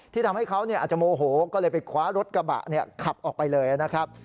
ทำให้เขาอาจจะโมโหก็เลยไปคว้ารถกระบะขับออกไปเลยนะครับ